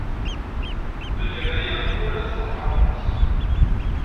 Tagara-a ur la t-ẓẓareɣ aṭas.